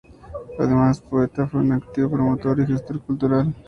Además de poeta, fue un activo promotor y gestor cultural.